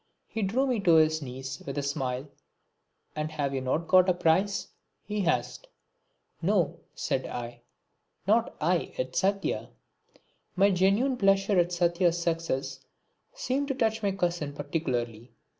He drew me to his knees with a smile. "And have you not got a prize?" he asked. "No," said I, "not I, it's Satya." My genuine pleasure at Satya's success seemed to touch my cousin particularly.